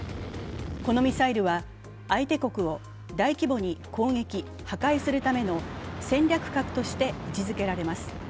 このミサイルは相手国を大規模に攻撃、破壊するための戦略核として位置づけられます。